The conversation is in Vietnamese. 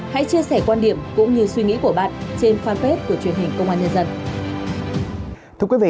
hãy chia sẻ quan điểm cũng như suy nghĩ của bạn trên fanpage của truyền hình công an nhân dân